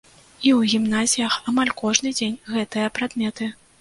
І ў гімназіях амаль кожны дзень гэтыя прадметы.